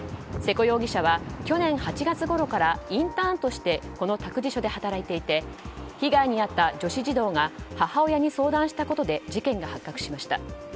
瀬古容疑者は去年８月ごろからインターンとしてこの託児所で働いていて被害に遭った女子児童が母親に相談したことで事件が発覚しました。